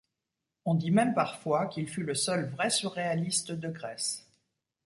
On dit même parfois qu'il fut le seul vrai surréaliste de Grèce.